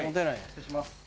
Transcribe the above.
失礼します。